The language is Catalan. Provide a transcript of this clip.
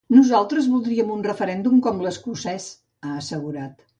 Nosaltres voldríem un referèndum com l’escocès, ha assegurat.